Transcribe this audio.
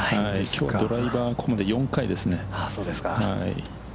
きょうはドライバーで４回ですね。